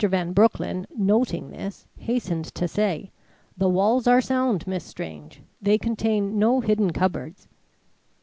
Van Broecklyn, noting this, hastened to say: "The walls are sound, Miss Strange. They contain no hidden cupboards."